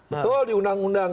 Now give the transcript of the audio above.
betul di undang undang